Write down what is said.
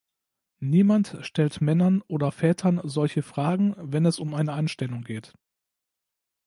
Niemand stellt Männern oder Vätern solche Fragen, wenn es um eine Anstellung geht.